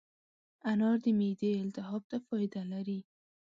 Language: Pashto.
انار د معدې التهاب ته فایده لري.